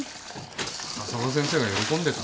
高砂先生が喜んでた？